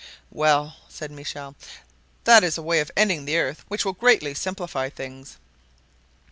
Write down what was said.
"Well," said Michel, "that is a way of ending the earth which will greatly simplify things."